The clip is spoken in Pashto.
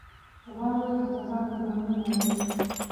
غبار وایي کاکه ګانو به ځانونه نالول.